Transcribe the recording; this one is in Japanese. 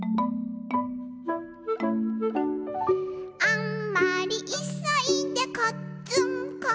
「あんまりいそいでこっつんこ」